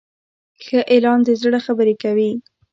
ښه اعلان د زړه خبرې کوي.